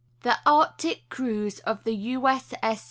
THE ARCTIC CRUISE OF THE U.S. 8S.